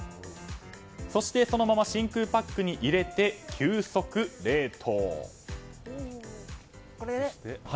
そして、そのまま真空パックに入れて急速冷凍。